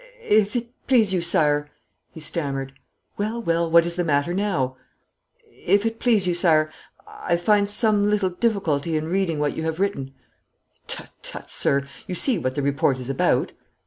'If it please you, Sire ' he stammered. 'Well, well, what is the matter now?' 'If it please you, Sire, I find some little difficulty in reading what you have written.' 'Tut, tut, sir. You see what the report is about.'